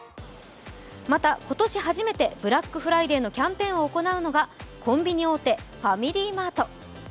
また、今年初めてブラックフライデーのキャンペーンを行うのがコンビニ大手・ファミリーマート。